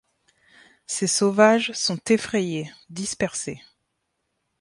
Ces sauvages sont effrayés, dispersés !